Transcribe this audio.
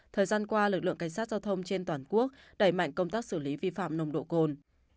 thời gian qua lực lượng cảnh sát giao thông trên toàn quốc đẩy mạnh công tác xử lý vi phạm nồng độ cồn